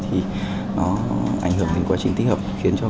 thì nó ảnh hưởng đến quá trình tích hợp